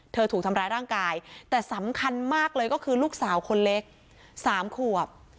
ถูกทำร้ายร่างกายแต่สำคัญมากเลยก็คือลูกสาวคนเล็ก๓ขวบ